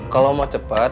kalau mau cepat